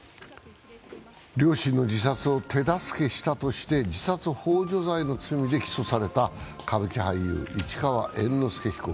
両親の自殺を手助けしたとして自殺ほう助の罪で起訴された歌舞伎俳優・市川猿之助被告。